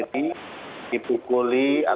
terutama bad hidup tak bekerja